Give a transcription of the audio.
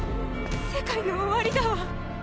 世界の終わりだわ。